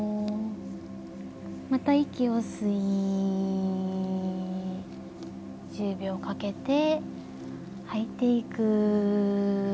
また息を吸い１０秒かけて吐いていく。